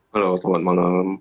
halo selamat malam